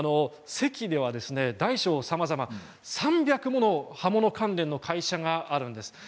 関では大小さまざまな３００もの刃物関連の会社があるんです。